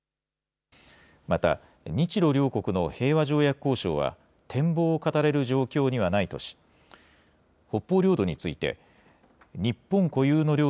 また、日ロ両国の平和条約交渉は、展望を語れる状況にはないとし、北方領土について、日本固有の領